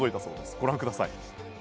ご覧ください。